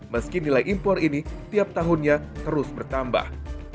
meski nilai impor ini tiap tahunnya terus bertambah